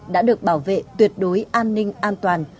đã được bảo vệ tuyệt đối an ninh an toàn